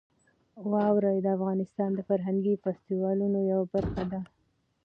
واوره د افغانستان د فرهنګي فستیوالونو یوه برخه ده.